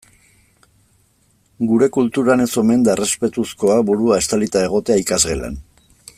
Gure kulturan ez omen da errespetuzkoa burua estalita egotea ikasgelan.